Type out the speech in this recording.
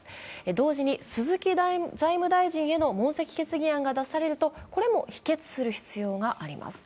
同時に鈴木財務大臣への問責決議案が出されると、これも否決する必要があります。